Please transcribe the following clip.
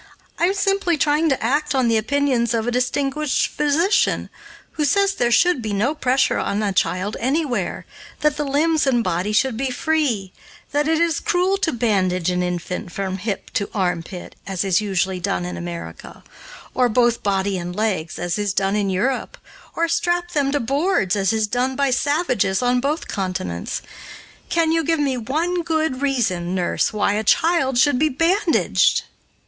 I am simply trying to act on the opinions of a distinguished physician, who says there should be no pressure on a child anywhere; that the limbs and body should be free; that it is cruel to bandage an infant from hip to armpit, as is usually done in America; or both body and legs, as is done in Europe; or strap them to boards, as is done by savages on both continents. Can you give me one good reason, nurse, why a child should be bandaged?"